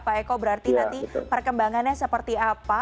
pak eko berarti nanti perkembangannya seperti apa